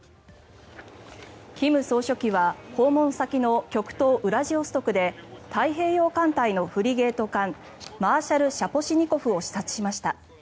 金総書記は訪問先の極東ウラジオストクで太平洋艦隊のフリゲート艦「マーシャル・シャポシニコフ」を視察しました。